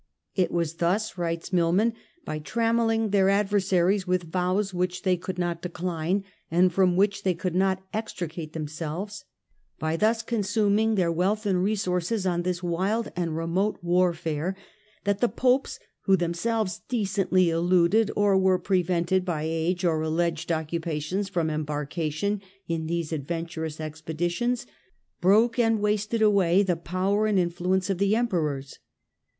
" It was thus," writes Milman, " by trammelling their adversaries with vows which they could not decline and from which they could not extricate themselves ; by thus consuming their wealth and resources on this wild and remote warfare, that the Popes, who themselves decently eluded, or were pre vented by age or alleged occupations from embarkation in these adventurous expeditions, broke and wasted away the power and influence of the Emperors."